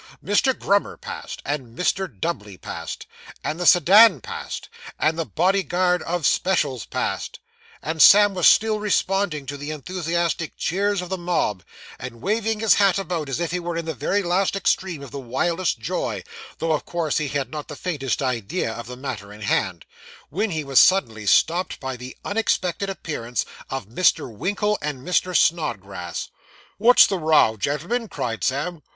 Mr. Grummer passed, and Mr. Dubbley passed, and the sedan passed, and the bodyguard of specials passed, and Sam was still responding to the enthusiastic cheers of the mob, and waving his hat about as if he were in the very last extreme of the wildest joy (though, of course, he had not the faintest idea of the matter in hand), when he was suddenly stopped by the unexpected appearance of Mr. Winkle and Mr. Snodgrass. 'What's the row, gen'l'm'n? 'cried Sam.